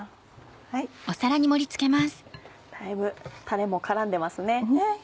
だいぶたれも絡んでますね。